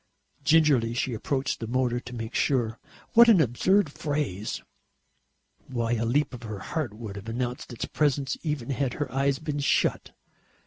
Gingerly she approached the motor to make sure. What an absurd phrase! Why, a leap of her heart would have announced its presence, even had her eyes been shut.